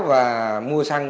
và mua xăng